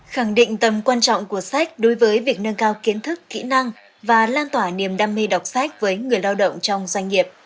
khẳng định tầm quan trọng của sách đối với việc nâng cao kiến thức kỹ năng và lan tỏa niềm đam mê đọc sách với người lao động trong doanh nghiệp